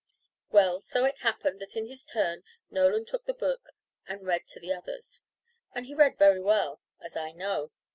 Well, so it happened that in his turn Nolan took the book and read to the others; and he read very well, as I know.